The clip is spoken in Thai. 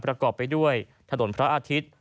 ประกอบไปด้วยถนนพระอาทิตย์